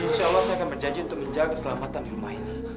insya allah saya akan berjanji untuk menjaga keselamatan di rumah ini